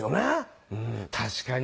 確かに。